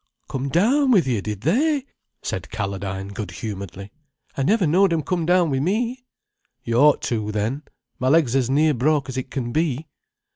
"Come down with you, did they?" said Calladine good humouredly. "I never knowed 'em come down wi' me." "You ought to, then. My leg's as near broke as it can be."